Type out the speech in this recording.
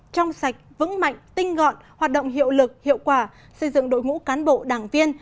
trong sạch vững mạnh tinh gọn hoạt động hiệu lực hiệu quả xây dựng đội ngũ cán bộ đảng viên